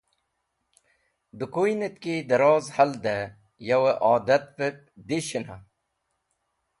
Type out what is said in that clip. Dẽkuynẽt ki dẽroz haldẽ yo adatvẽb dishẽna?